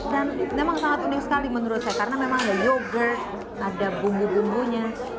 dan memang sangat unik sekali menurut saya karena memang ada yogurt ada bumbu bumbunya